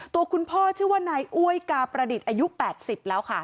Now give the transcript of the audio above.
ตัวคุณพ่อชื่อว่านายอ้วยกาประดิษฐ์อายุ๘๐แล้วค่ะ